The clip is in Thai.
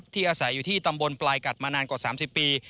อาศัยอยู่ที่ตำบลปลายกัดมานานกว่า๓๐ปี